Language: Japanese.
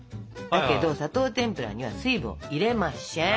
だけど砂糖てんぷらには水分を入れましぇん。